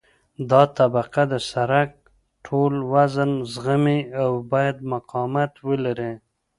دا طبقه د سرک ټول وزن زغمي او باید مقاومت ولري